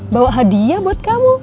bawa hadiah buat kamu